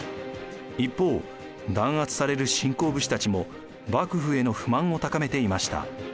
一方弾圧される新興武士たちも幕府への不満を高めていました。